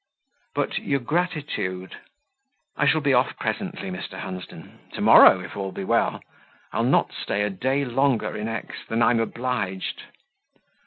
"But your gratitude?" "I shall be off presently, Mr. Hunsden to morrow, if all be well: I'll not stay a day longer in X than I'm obliged."